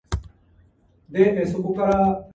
Rivers of Nihil appeared in select spots of the tour.